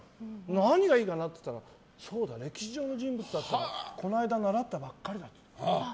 何がいいかなっていったらそうだ、歴史上の人物だったらこの間、習ったばっかりだと。